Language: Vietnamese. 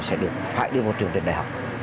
sẽ được hãi đưa vào chương trình đại học